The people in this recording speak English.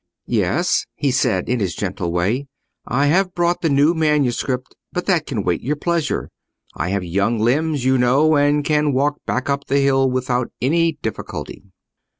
"Yes," he said, in his gentle way; "I have brought the new manuscript, but that can wait your pleasure. I have young limbs, you know, and can walk back up the hill without any difficulty."